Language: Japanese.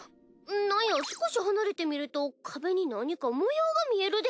なんや少し離れて見ると壁に何か模様が見えるで。